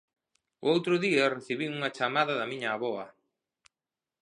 O outro día recibín unha chamada da miña avoa.